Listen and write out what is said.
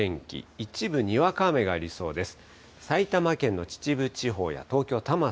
夜の天気、一部にわか雨がありそうです。